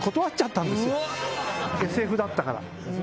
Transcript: ＳＦだったから。